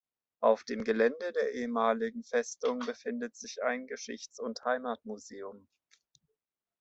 Auf dem Gelände der ehemaligen Festung befindet sich ein "Geschichts- und Heimatmuseum".